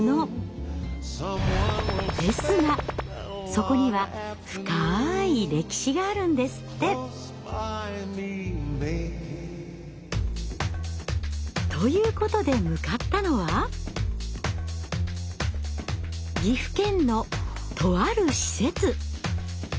ですがそこには深い歴史があるんですって。ということで向かったのは岐阜県のとある施設。